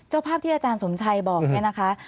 เจ้าภาพที่อาจารย์สมชัยบอกอย่างนี้นะคะ